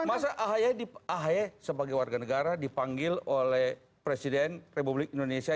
masa ahy sebagai warga negara dipanggil oleh presiden republik indonesia